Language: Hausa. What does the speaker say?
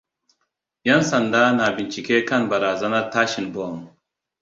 Ƴansanda na bincike kan barazanar tashin bom.